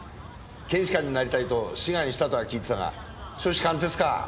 検視官になりたいと志願したとは聞いてたが初志貫徹か。